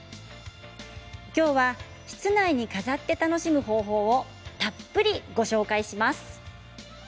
今日は室内に飾って楽しむ方法をたっぷりご紹介します。